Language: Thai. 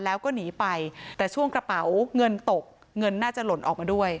แล้วก็หนีไปแต่ช่วงกระเป๋าเงินตกเงินน่าจะหล่นออกมาด้วย